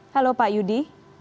halo pak yudi